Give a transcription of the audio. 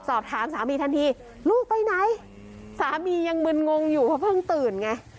สามีทันทีลูกไปไหนสามียังมึนงงอยู่เพราะเพิ่งตื่นไง